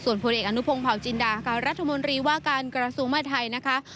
ส่วนผู้เล็กอนุพงษ์เผาจินดารัฐมนตรีว่าการกราศูนย์มหาวิทยาลัยไทย